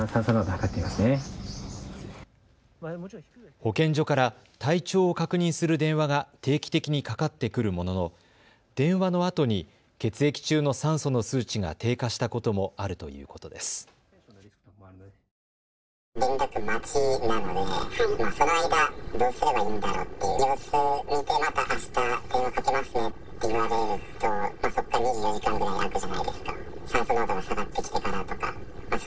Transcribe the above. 保健所から体調を確認する電話が定期的にかかってくるものの電話のあとに血液中の酸素の数値が低下したこともあるということです。